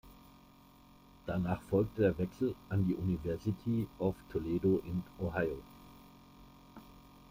Danach folgte der Wechsel an die University of Toledo in Ohio.